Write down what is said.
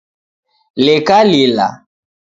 Leka lila